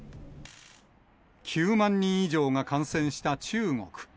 ９万人以上が感染した中国。